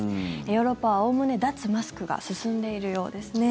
ヨーロッパはおおむね脱マスクが進んでいるようですね。